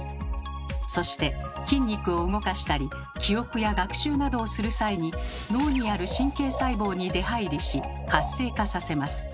そして筋肉を動かしたり記憶や学習などをする際に脳にある神経細胞に出はいりし活性化させます。